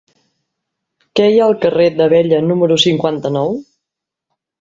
Què hi ha al carrer d'Abella número cinquanta-nou?